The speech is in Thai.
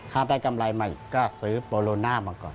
ถ้าได้กำไรมาอีกก็ซื้อโปโลน่ามาก่อน